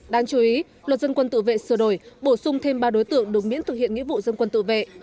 đáng chú ý luật dân quân tự vệ sửa đổi bổ sung thêm ba đối tượng được miễn thực hiện nghĩa vụ dân quân tự vệ